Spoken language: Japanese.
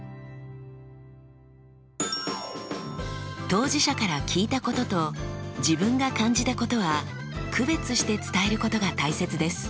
当事者から聞いたことと自分が感じたことは区別して伝えることが大切です。